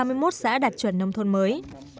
tỉnh yên bái đã đạt chuẩn nông thôn mới